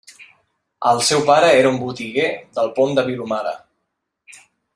El seu pare era un botiguer del Pont de Vilomara.